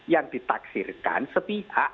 yang ditaksirkan sepi hak